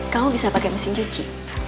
kamu bisa pakai mesin cuci